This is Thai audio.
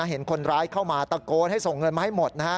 เห็นคนร้ายเข้ามาตะโกนให้ส่งเงินมาให้หมด